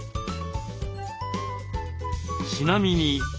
ちなみに。